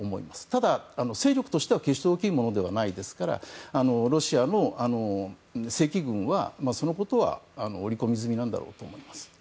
ただ、勢力としては決して大きいものではないですからロシアの正規軍はそのことは織り込み済みなんだろうと思います。